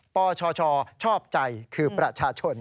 ปชชอบใจคือประชาชน